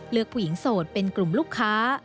ผู้หญิงโสดเป็นกลุ่มลูกค้า